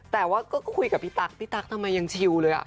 แต่ว่าก็คุยกับพี่ตั๊กพี่ตั๊กทำไมยังชิวเลย